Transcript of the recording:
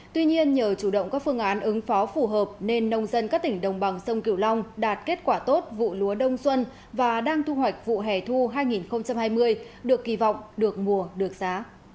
tuy nhiên nhờ chủ động các phương án ứng phó phù hợp nên nông dân các tỉnh đồng bằng sông kiều long đạt kết quả tốt vụ lúa đông xuân và đang thu hoạch vụ hẻ thu hai nghìn hai mươi được kỳ vọng được mùa được giá